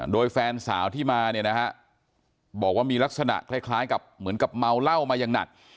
โดยแฟนสาวที่มาเนี่ยนะฮะบอกว่ามีลักษณะคล้ายกับเหมือนกับเมาเหล้ามาอย่างหนัก